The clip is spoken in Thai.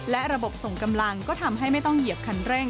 และระบบส่งกำลังก็ทำให้ไม่ต้องเหยียบคันเร่ง